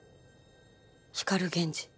光源氏。